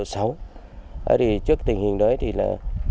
thế thì trước tình hình đấy thì là